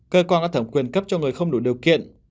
cơ quan có thẩm quyền cấp cho người không đủ điều kiện